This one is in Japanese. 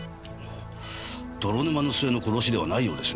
泥沼の末の殺しではないようですね。